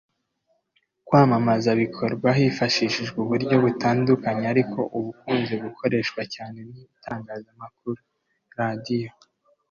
Kwamamaza bikorwa hifashishijwe uburyo butandukanye ariko ubukunze gukoreshwa cyane ni Itangazamakuru (Radio